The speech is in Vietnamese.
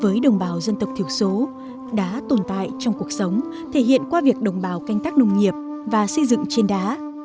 với đồng bào dân tộc thiểu số đã tồn tại trong cuộc sống thể hiện qua việc đồng bào canh tác nông nghiệp và xây dựng trên đá